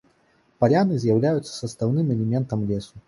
Паляны з'яўляюцца састаўным элементам лесу.